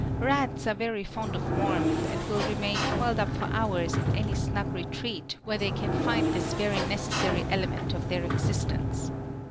Rats are very fond of warmth, and will remain coiled up for hours in any snug retreat where they can find this very necessary element of their existence.